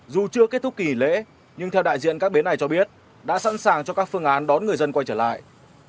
dù chưa kết thúc kỳ lễ nhưng theo đại diện các bến này cho biết đã sẵn sàng cho các phương án đón người dân quay trở lại